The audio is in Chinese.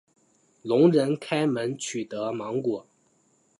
聋人开门取得芒果。